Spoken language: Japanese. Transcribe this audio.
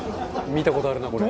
「見た事あるなこれ」